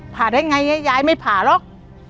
ผ่าได้ไงยายไม่ผ่าหรอก